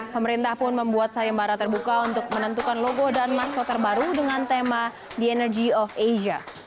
pemerintah pun membuat sayembara terbuka untuk menentukan logo dan maskot terbaru dengan tema the energy of asia